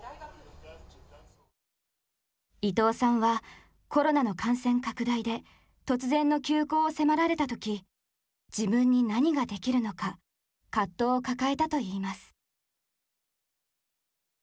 伊藤さんはコロナの感染拡大で突然の休校を迫られた時自分に何ができるのか葛藤を抱えたといいます。